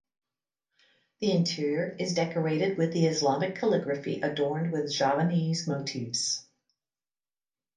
The interior is decorated with the Islamic calligraphy adorned with Javanese motifs.